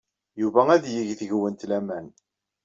Yuba ad yeg deg-went laman.